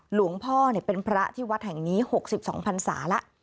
หลวงพ่อเป็นพระที่วัดแห่งนี้๖๒พันศาแล้ว